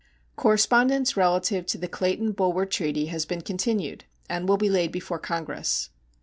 Correspondence relative to the Clayton Bulwer treaty has been continued and will be laid before Congress.